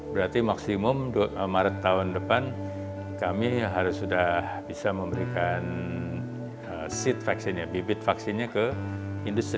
berarti maksimum maret tahun depan kami harus sudah bisa memberikan seed vaksinnya bibit vaksinnya ke bppt